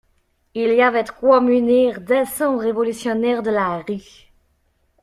Il y avait de quoi munir deux cents révolutionnaires de la rue.